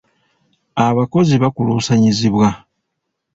Abakozi baakulusanyizibwa.